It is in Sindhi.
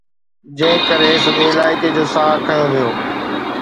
جنهن ڪري سڄي علائقي جو ساهه کنيو ويو.